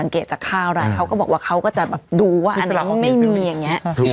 เขาบอกว่าไม่มีอันนี้อ่ะ